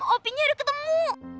opinya udah ketemu